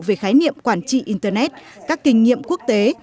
về khái niệm quản trị internet các kinh nghiệm quốc tế